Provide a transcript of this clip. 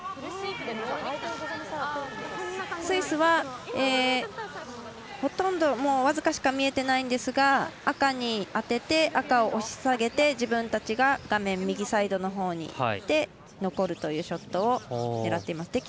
スイスはほとんど僅かしか見えてないんですが赤に当てて、赤を押し下げて自分たちが画面右サイドのほうにいって残るというショットを狙っています。